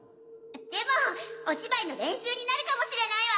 でもお芝居の練習になるかもしれないわ。